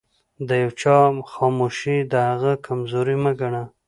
د يوچا خاموښي دهغه کمزوري مه ګنه